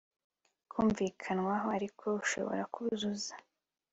kumvikanwaho Ariko ushobora kuzuza